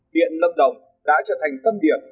điện lâm đồng đã trở thành tâm điện